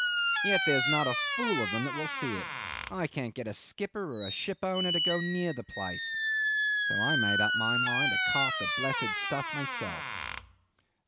Yet there's not a fool of them that will see it. I can't get a skipper or a shipowner to go near the place. So I made up my mind to cart the blessed stuff myself."